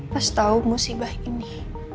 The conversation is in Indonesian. pas tau musibah ini